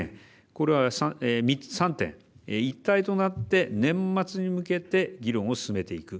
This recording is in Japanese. これは３点一体となって年末に向けて議論を進めていく。